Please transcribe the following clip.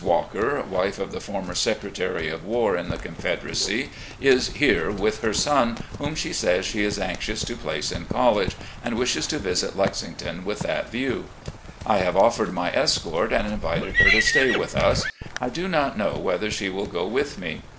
Walker, wife of the former Secretary of War in the G^nfederacy, is here with her son, whom she says she is anxious to place in college, and wishes to visit Lexington with that view. I have offered my escort and invited her to stay with us. I do not know whether she will go with me.